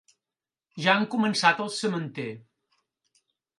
Ja han començat el sementer.